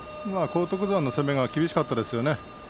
荒篤山の攻めが厳しかったですよね。